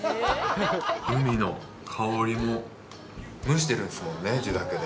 海の香りも、蒸してるんですもんね、地酒で。